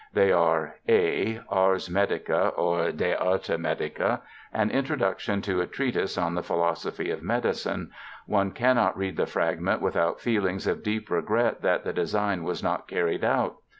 They are : {a) Ars Medica or De Arte Medica, an introduction to a treatise on the philosophy of medicine. One cannot read the fragment without feelings of deep regret that the design was not carried out.